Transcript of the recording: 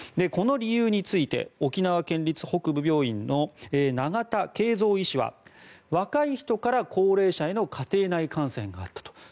この理由について沖縄県立北部病院の永田恵蔵医師は若い人から高齢者への家庭内感染があったと。